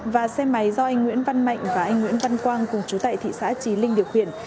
và xe máy do anh nguyễn văn mạnh và anh nguyễn văn quang cùng chú tại thị xã trí linh điều khiển